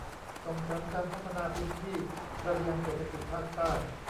ส่งเสริมการพัฒนาพื้นที่ระเบียงเศรษฐกิจภาคใต้